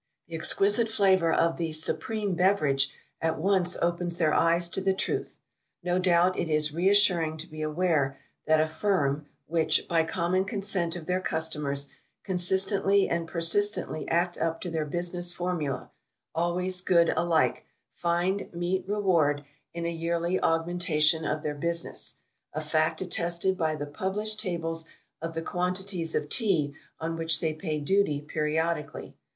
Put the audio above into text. The exquisite flavour of the "supreme beverage" at once opens their eyes to the truth. No doubt it is reassuring to be aware that a Firm which, by common consent of their customers, consistently and persistently act up to their business formula, "Always good alike," find meet reward in a yearly augmentation of their business; a fact attested by the published tables of the quantities of Tea on which they pay duty periodically.